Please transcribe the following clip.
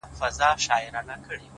د وخت قدر د ځان قدر دی